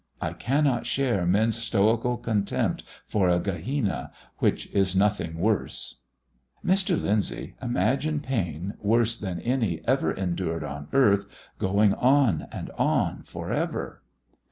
I cannot share men's stoical contempt for a Gehenna, which is nothing worse. "Mr. Lyndsay, imagine pain, worse than any ever endured on earth going on and on, for ever!"